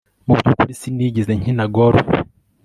Mubyukuri sinigeze nkina golf